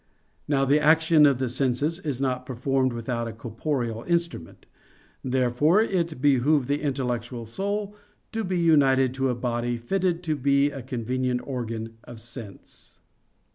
Now the action of the senses is not performed without a corporeal instrument. Therefore it behooved the intellectual soul to be united to a body fitted to be a convenient organ of sense.